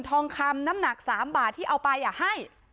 ทองคำน้ำหนัก๓บาทที่เอาไปให้